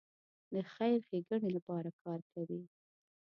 د خیر ښېګڼې لپاره کار کوي.